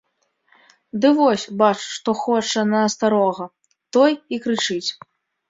Ды вось, бачыш, хто хоча на старога, той і крычыць.